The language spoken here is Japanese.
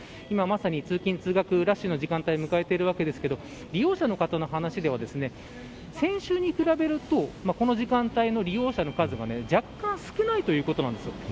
今まさに、通勤、通学ラッシュの時間帯を迎えていますが利用者の方の話では先週に比べるとこの時間帯の利用者の数が若干少ないということなんです。